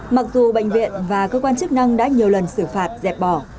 mặc dù bệnh viện và cơ quan chức năng đã nhiều lần xử phạt dẹp bỏ